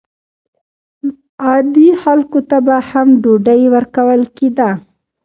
عادي خلکو ته به هم ډوډۍ ورکول کېده.